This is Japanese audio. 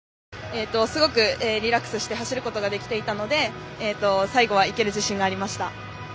すごくリラックスして走ることができていたので最後は行ける自信がありました。